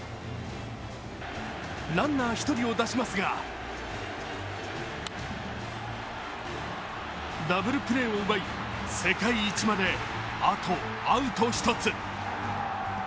ランナー１人を出しますがダブルプレーを奪い、世界一まであとアウト１つ。